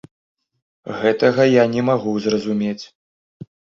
Гэтага я не магу зразумець!